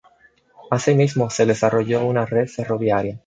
Asimismo, se desarrolló una red ferroviaria.